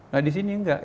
nah di sini enggak